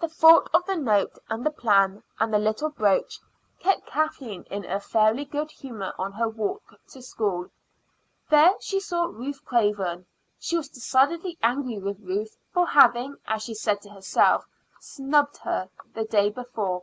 The thought of the note and the plan and the little brooch kept Kathleen in a fairly good humor on her walk to school. There she saw Ruth Craven. She was decidedly angry with Ruth for having, as she said to herself, "snubbed her" the day before.